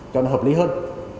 cho nó hợp lý hơn